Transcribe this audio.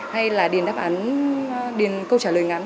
hay là điền đáp án điền câu trả lời ngắn